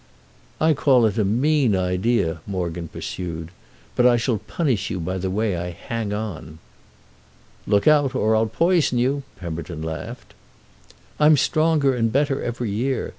"I call it a mean idea," Morgan pursued. "But I shall punish you by the way I hang on." "Look out or I'll poison you!" Pemberton laughed. "I'm stronger and better every year.